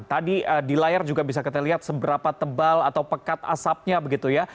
tadi di layar juga bisa kita lihat seberapa tebal atau pekat asapnya begitu ya